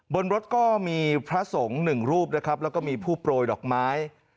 บนรถก็มีพระสงฆ์หนึ่งรูปนะครับแล้วก็มีผู้โปรยดอกไม้